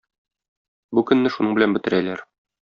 Бу көнне шуның белән бетерәләр.